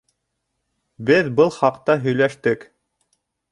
Беҙ был хаҡта һөйләштек.